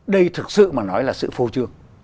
đây thực sự mà nói là sự phô trương